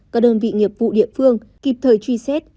các đơn vị nghiệp vụ địa phương kịp thời truy xét